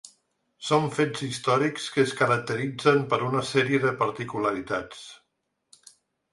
Són fets històrics que es caracteritzen per una sèrie de particularitats.